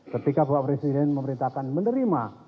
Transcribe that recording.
ketika bapak presiden memerintahkan menerima